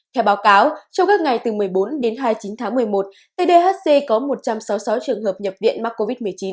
theo báo cáo trong các ngày từ một mươi bốn đến hai mươi chín tháng một mươi một tdhc có một trăm sáu mươi sáu trường hợp nhập viện mắc covid một mươi chín